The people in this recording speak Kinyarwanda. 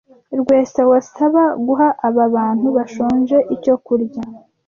Rwesa, wasaba guha aba bantu bashonje icyo kurya?